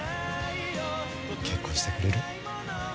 結婚してくれる？